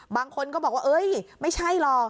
บางคนก็บอกว่าเอ้ยไม่ใช่หรอก